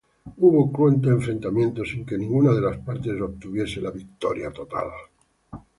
Hubo cruentos enfrentamientos, sin que ninguna de las partes obtuviese la victoria total.